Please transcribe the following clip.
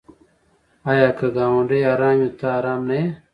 آیا که ګاونډی ارام وي ته ارام نه یې؟